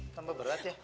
tambah berat ya